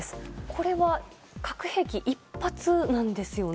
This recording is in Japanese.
これは核兵器１発なんですよね。